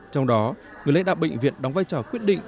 trong đó người lãnh đạo bệnh viện đóng vai trò quyết định